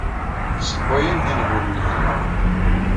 Ssewwayen-d ingulen yelhan.